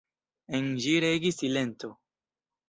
En ĝi regis silento.